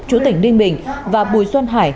trú tỉnh đinh bình và bùi xuân hải